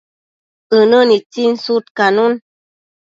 ënë nitsin sudcanun